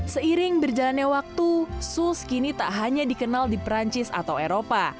seiring berjalannya waktu suls kini tak hanya dikenal di perancis atau eropa